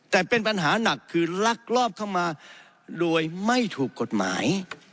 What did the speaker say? แต่เป็นปัญหาหนักคือลักลอบเข้ามาโดยไม่ถูกกฎหมาย